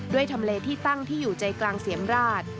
ทำเลที่ตั้งที่อยู่ใจกลางเสียมราช